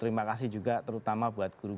terima kasih juga terutama buat guru guru